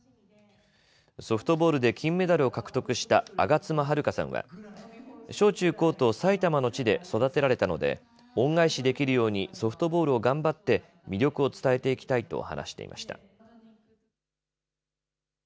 ソフトボールで金メダルを獲得した我妻悠香さんは小中高と埼玉の地で育てられたので恩返しできるようにソフトボールを頑張って魅力を伝えていきたいと話していました。